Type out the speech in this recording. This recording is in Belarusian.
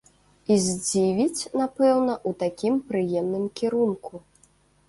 І здзівіць, напэўна, у такім прыемным кірунку.